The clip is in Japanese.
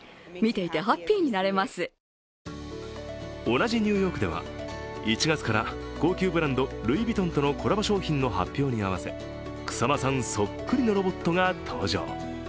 同じニューヨークでは１月から高級ブランド、ルイ・ヴィトンとのコラボ商品の発表に合わせ草間さんそっくりのロボットが登場。